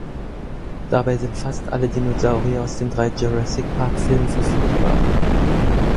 Dabei sind fast alle Dinosaurier aus den drei Jurassic-Park-Filmen verfügbar.